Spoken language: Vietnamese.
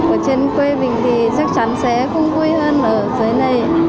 ở trên quê mình thì chắc chắn sẽ không vui hơn ở dưới này